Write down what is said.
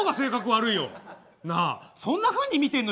なあそんなふうに見てんの？